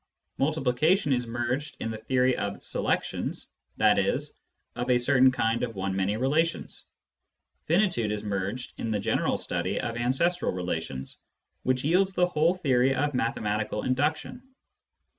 Multiplication is merged in the theory of " selec tions," i.e. of a certain kind of one many relations. Finitude is merged in the general study of ancestral relations, which yields the whole theory of mathematical induction.